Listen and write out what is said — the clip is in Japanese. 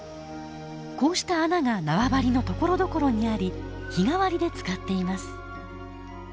こうした穴が縄張りのところどころにあり日替わりで使っています。